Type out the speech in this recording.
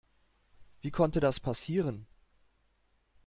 Wie konnte das passieren?